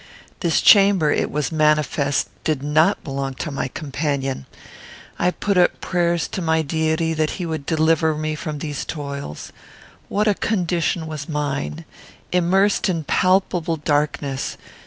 This chamber, it was manifest, did not belong to my companion. I put up prayers to my Deity that he would deliver me from these toils. What a condition was mine! Immersed in palpable darkness!